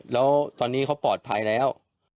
แล้วตอนนี้เขาปลอดภัยแล้ว